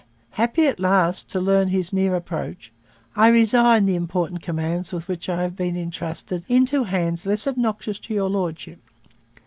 Happy at last to learn his near approach, I resign the important commands with which I have been entrusted into hands less obnoxious to your Lordship.